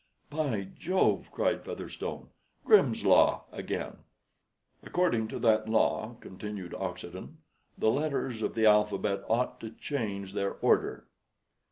"By Jove!" cried Featherstone, "Grimm's Law again!" "According to that law," continued Oxenden, "the letters of the alphabet ought to change their order.